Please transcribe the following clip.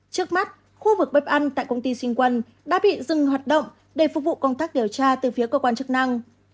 trước mắt khu vực bếp ăn tại công ty sinh quân đã bị dừng hoạt động để phục vụ công tác điều tra từ phía cơ quan chức năng